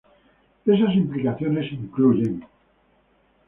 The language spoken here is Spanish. Esas implicaciones incluyen.